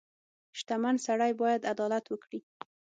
• شتمن سړی باید عدالت وکړي.